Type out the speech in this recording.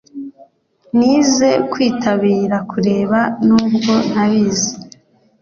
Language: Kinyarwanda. Nize kwitabira kureba nubwo ntabizi